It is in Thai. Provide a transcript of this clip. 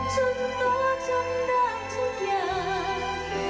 จนตัวจนด้านทุกอย่าง